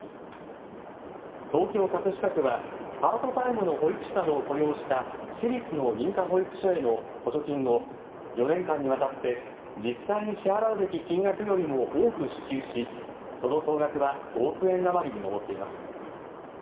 東京・葛飾区はパートタイムの保育士などを雇用した私立の認可保育所への補助金を４年間にわたって実際に支払うべき金額よりも多く支給しその総額は５億円余りに上っています。